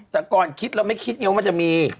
แต่ก่อนคิดเราไม่คิดไงว่ามันจะมี